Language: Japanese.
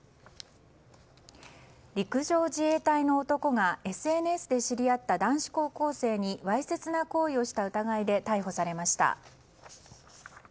陸上自衛隊の男がＳＮＳで知り合った男子高校生にわいせつな行為をした疑いで逮捕されました。